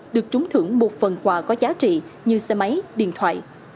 được trúng thưởng một phần quà có giá trị như xe máy điện thoại